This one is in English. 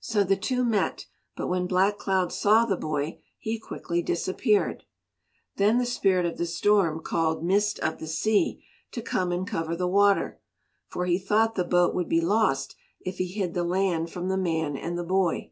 So the two met, but when Black Cloud saw the boy he quickly disappeared. Then the Spirit of the Storm called Mist of the Sea to come and cover the water, for he thought the boat would be lost if he hid the land from the man and the boy.